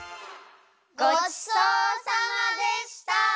ごちそうさまでした！